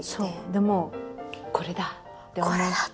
でもうこれだって思って。